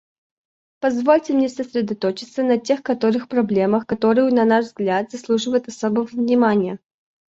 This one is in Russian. Позвольте мне сосредоточиться на тех некоторых проблемах, которые, на наш взгляд, заслуживают особого внимания.